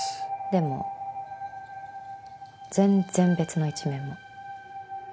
でも全然別の一面も。